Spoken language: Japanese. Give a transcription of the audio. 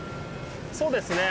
そうですね。